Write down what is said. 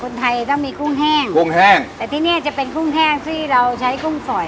คนไทยต้องมีกุ้งแห้งกุ้งแห้งแต่ที่เนี้ยจะเป็นกุ้งแห้งที่เราใช้กุ้งสอย